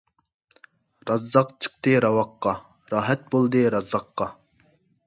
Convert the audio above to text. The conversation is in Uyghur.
رازاق چىقتى راۋاققا، راھەت بولدى رازاققا.